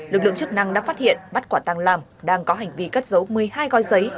lực lượng chức năng đã phát hiện bắt quả tăng lam đang có hành vi cất giấu một mươi hai gói giấy